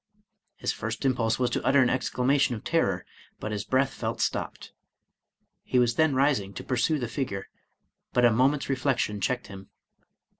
His first impulse was to utter an exclamation of terror, but his breath felt stopped. He was then rising to pursue the figure, but a moment's reflection checked him.